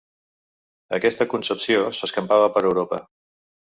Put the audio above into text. Aquesta concepció s'escampava per Europa.